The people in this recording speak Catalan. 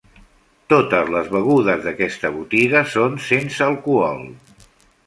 totes les begudes d'aquesta botiga són sense alcohol.